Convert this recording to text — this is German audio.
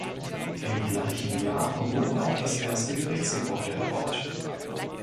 Im gleichen Jahr wurde auch das erste Gerichtsgebäude erbaut.